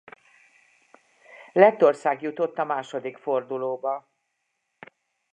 Lettország jutott a második fordulóba.